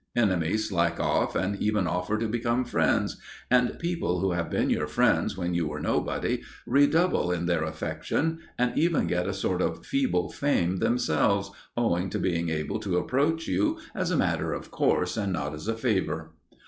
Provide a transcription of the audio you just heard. Enemies slack off and even offer to become friends, and people who have been your friends when you were nobody, redouble in their affection, and even get a sort of feeble fame themselves, owing to being able to approach you as a matter of course and not as a favour.